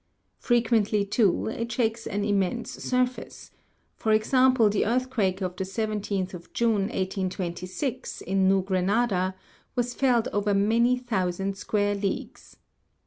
Frequently, too, it shakes an immense surface : for example, the earthquake of the 17th June, 1826, in New Grenada, was felt over many thousand square leagues.